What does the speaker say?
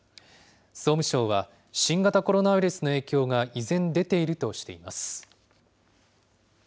総務省は新型コロナウイルスの影響が依然出ているとしています。